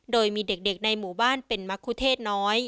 โดยมีเด็กในหมู่บ้านเป็นมะคุเทศน้อย